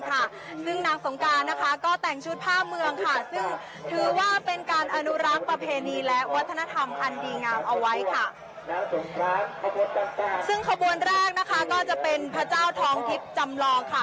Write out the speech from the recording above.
สงการนะคะก็แต่งชุดผ้าเมืองค่ะซึ่งถือว่าเป็นการอนุรักษ์ประเพณีและวัฒนธรรมอันดีงามเอาไว้ค่ะซึ่งขบวนแรกนะคะก็จะเป็นพระเจ้าท้องทิศจำลองค่ะ